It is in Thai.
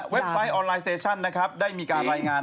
เว็บไซต์ออนไลน์เซชั่นได้มีการรายงาน